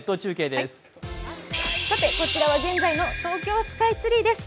こちらは現在の東京スカイツリーです。